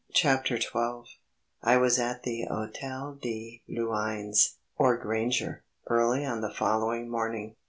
CHAPTER TWELVE I was at the Hôtel de Luynes or Granger early on the following morning.